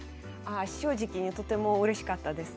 正直にとてもうれしかったですね。